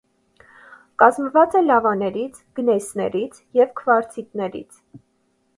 Կազմված է լավաներից, գնեյսներից և քվարցիտներից։